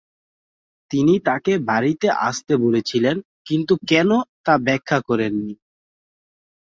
তিনি তাকে বাড়িতে আসতে বলেছিলেন কিন্তু কেন তা ব্যাখ্যা করেননি।